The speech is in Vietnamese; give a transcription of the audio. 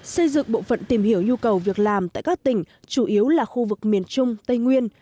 xây dựng bộ phận tìm hiểu nhu cầu việc làm tại các tỉnh chủ yếu là khu vực miền trung tây nguyên